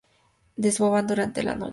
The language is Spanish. Desovan durante la noche.